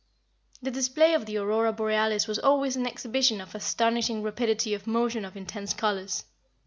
The display of the Aurora Borealis was always an exhibition of astonishing rapidity of motion of intense colors.